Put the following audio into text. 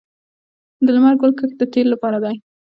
د لمر ګل کښت د تیلو لپاره دی